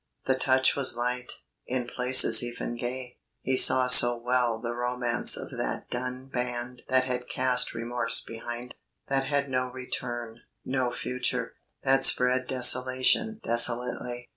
The touch was light, in places even gay. He saw so well the romance of that dun band that had cast remorse behind; that had no return, no future, that spread desolation desolately.